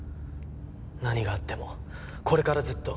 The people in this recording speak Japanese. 何があってもこれからずっと。